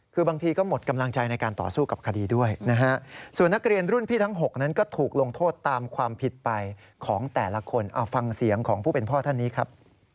คือบางทีก็หมดกำลังใจในการต่อสู้กับคดีด้วยนะฮะส่วนนักเรียนรุ่นพี่ทั้ง๖นั้นก็ถูกลงโทษตามความผิดไปของแต่ละคนเอาฟังเสียงของผู้เป็นพ่อท่านนี้ครับ